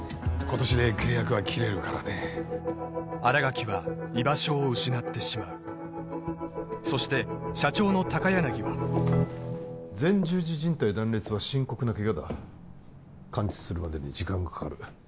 今年で契約は切れるからね新垣は居場所を失ってしまうそして社長の高柳は前十字靱帯断裂は深刻なケガだ完治するまでに時間がかかる